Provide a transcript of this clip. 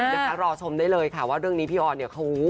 เดี๋ยวค่ะรอชมได้เลยค่ะว่าเรื่องนี้พี่ออนเนี่ย